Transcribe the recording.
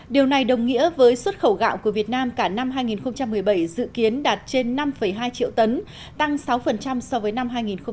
điều này đồng nghĩa với xuất khẩu gạo của việt nam cả năm hai nghìn một mươi bảy dự kiến đạt trên năm hai triệu tấn tăng sáu so với năm hai nghìn một mươi bảy